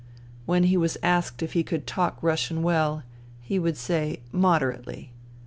When he w^as asked if he could talk Russian well, he would say " Moderately."